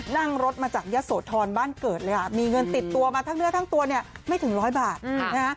นั่งรถมาจากยะโสธรบ้านเกิดเลยค่ะมีเงินติดตัวมาทั้งเนื้อทั้งตัวเนี่ยไม่ถึงร้อยบาทนะฮะ